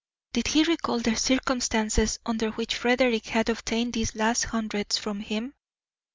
Did he recall the circumstances under which Frederick had obtained these last hundreds from him?